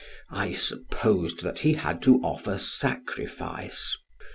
I supposed that he had to offer sacrifice.